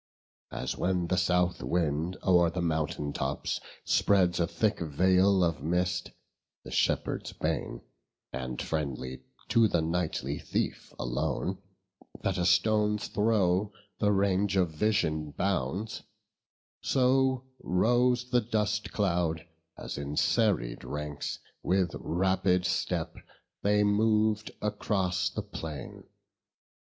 As when the south wind o'er the mountain tops Spreads a thick veil of mist, the shepherd's bane, And friendly to the nightly thief alone, That a stone's throw the range of vision bounds; So rose the dust cloud, as in serried ranks With rapid step they mov'd across the plain.